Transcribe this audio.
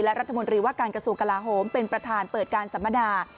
และรัฐมนตรีว่าการกระทรวงกลาโหมเป็นประธานเปิดการสัมมนา